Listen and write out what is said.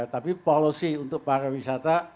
tapi policy untuk para wisata